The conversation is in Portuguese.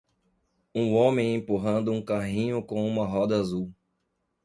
Um homem empurrando um carrinho com uma roda azul.